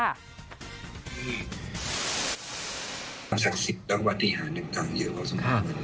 ที่มีความศักดิ์สิทธิ์และวัฒนิหาต่างเยอะกว่าสมมติ